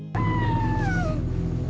sampai jumpa di meja makan